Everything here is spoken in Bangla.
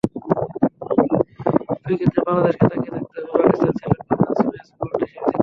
দুই ক্ষেত্রেই বাংলাদেশকে তাকিয়ে থাকতে হবে পাকিস্তান-শ্রীলঙ্কা পাঁচ ম্যাচ ওয়ানডে সিরিজের দিকে।